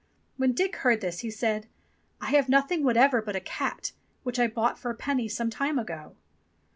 When Dick heard this he said, "I have nothing whatever but a cat, which I bought for a penny some time ago."